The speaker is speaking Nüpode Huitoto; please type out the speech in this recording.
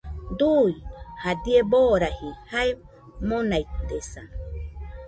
Dui jadie boraji jae monaidesa